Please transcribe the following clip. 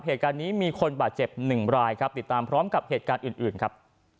เหตุการณ์นี้มีคนบาดเจ็บหนึ่งรายครับติดตามพร้อมกับเหตุการณ์อื่นครับ